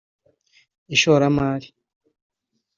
Ishoramari